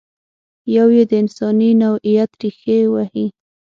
یو یې د انساني نوعیت ریښې وهي.